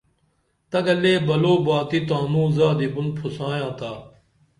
تگہ لے بلو باتی تانوں زادی بُن پُھسایاں تا